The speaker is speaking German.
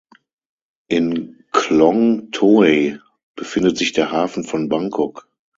In Khlong Toei befindet sich der Hafen von Bangkok.